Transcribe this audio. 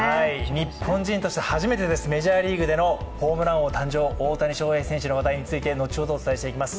日本人として初めてです、メジャーリーグでのホームラン王の誕生、大谷翔平選手の話題について後ほどお伝えしていきます。